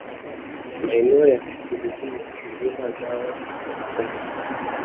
Maeneo ya kihurio hulima zao la mpunga